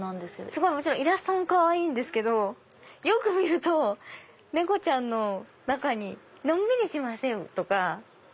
もちろんイラストもかわいいんですけどよく見ると猫ちゃんの中に「のんびりしませう」とか。